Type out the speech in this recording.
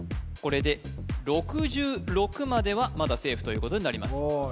これで６６まではまだセーフということになります